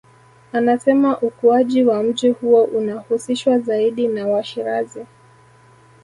Anasema ukuaji wa mji huo unahusishwa zaidi na Washirazi